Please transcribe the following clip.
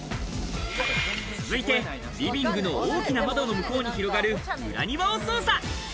続いて、リビングの大きな窓の向こうに広がる裏庭を捜査。